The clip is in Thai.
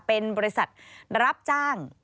เป็นบริษัทรับจ้าง